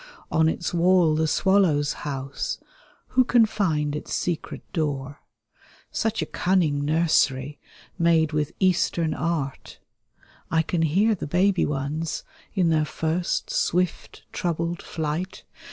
On its wall the swallows house, who can find its secret door? Such a cimning nursery, made with Eastern art. I can hear the baby ones, in their first, swift, troubled flight.